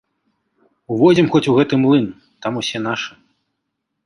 Увойдзем хоць у гэты млын, там усе нашы.